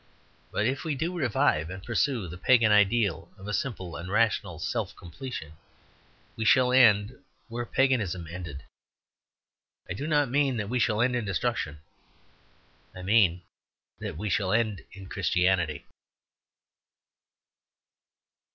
But if we do revive and pursue the pagan ideal of a simple and rational self completion we shall end where Paganism ended. I do not mean that we shall end in destruction. I mean that we shall end in Christianity.